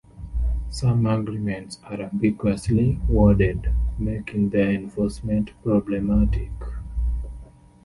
Some agreements are ambiguously worded, making their enforcement problematic.